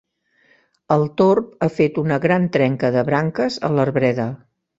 El torb ha fet una gran trenca de branques a l'arbreda.